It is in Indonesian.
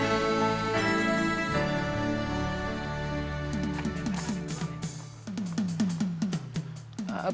gak bisa duduk duduk